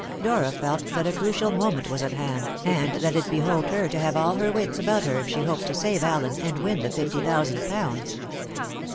Dora felt that a crucial moment was at hand, and that it behoved her to have all her wits about her if she hoped to save Allen and win the fifty thousand pounds.